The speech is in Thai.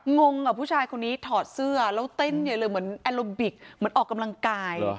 งงกับผู้ชายคนนี้ถอดเสื้อแล้วเต้นใหญ่เลยเหมือนแอลโลบิกเหมือนออกกำลังกาย